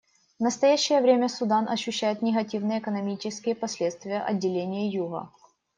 В настоящее время Судан ощущает негативные экономические последствия отделения Юга.